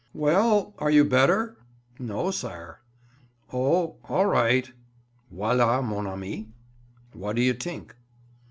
"Well, are you better?" "No, sare." "O, all right." "Voilà mon ami. What do you tink?"